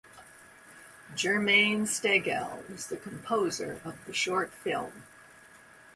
Jermaine Stegall is the composer of the short film.